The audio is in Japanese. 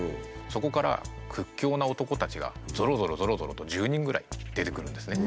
そこから屈強な男たちがぞろぞろぞろぞろと１０人ぐらい出てくるんですね。